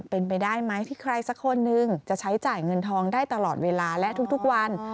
เป็นไปได้ไหมที่ใครสักคนนึงจะใช้จ่ายเงินทองได้ตลอดเวลาและทุกวัน